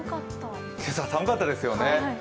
今朝、寒かったですよね。